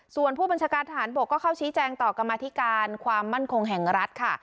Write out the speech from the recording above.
ส่วนผู้บัญชาการทหารบกก็เข้าชี้แจงต่อกรรมธิการความมั่นคงแห่งรัฐค่ะ